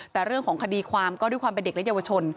แต่เรื่องของคดีความก็ด้วยความเป็นเด็กและเยาวชน